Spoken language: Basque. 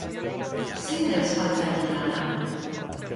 Zein da euskaltzainen lana?